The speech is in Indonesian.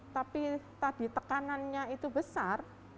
tapi tadi tekanannya itu besar